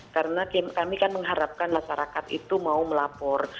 karena kami kan mengharapkan masyarakat itu mau melapor